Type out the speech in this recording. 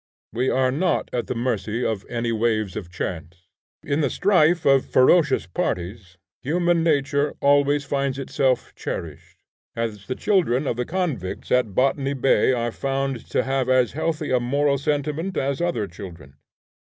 We are not at the mercy of any waves of chance. In the strife of ferocious parties, human nature always finds itself cherished; as the children of the convicts at Botany Bay are found to have as healthy a moral sentiment as other children.